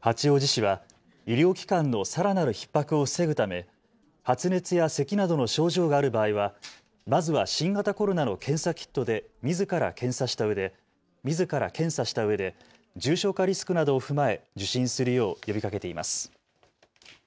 八王子市は医療機関のさらなるひっ迫を防ぐため発熱やせきなどの症状がある場合はまずは新型コロナの検査キットでみずから検査したうえで重症化リスクなどを踏まえ受診するよう呼びかけています。